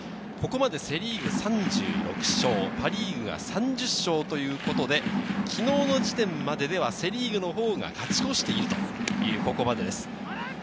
セ・リーグ３６勝、パ・リーグ３０勝ということで、昨日の時点までではセ・リーグのほうが勝ち越しているというここまでです。